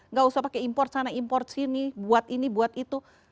nggak usah pakai impor sana import sini buat ini buat itu